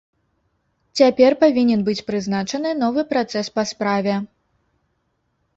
Цяпер павінен быць прызначаны новы працэс па справе.